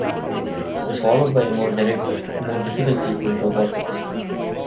It was followed by a more difficult sequel, "Robot Odyssey".